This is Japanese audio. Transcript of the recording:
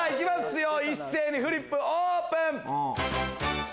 一斉にフリップオープン！